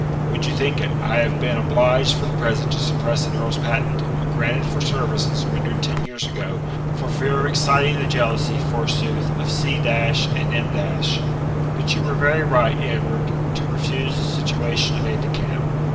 Would you think it I have been obliged for the present to suppress an earl's patent, granted for services rendered ten years ago, for fear of exciting the jealousy, forsooth, of C and M ? But you were very right, Edward, to refuse the situation of aide de camp.